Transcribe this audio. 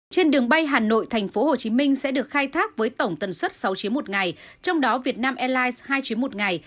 trên đường bay hà nội tp hcm sẽ được khai thác với tổng tần suất sáu chiếm một ngày trong đó vietnam airlines hai chiếm một ngày